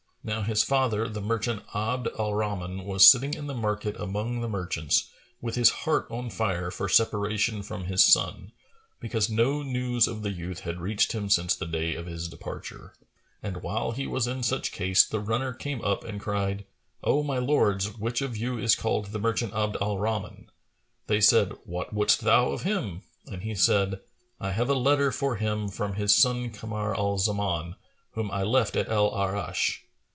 Now his father the merchant Abd al Rahman was sitting in the market among the merchants, with a heart on fire for separation from his son, because no news of the youth had reached him since the day of his departure; and while he was in such case the runner came up and cried, "O my lords, which of you is called the merchant Abd al Rahman?" They said, "What wouldst thou of him?"; and he said, "I have a letter for him from his son Kamar al Zaman, whom I left at Al Arнsh."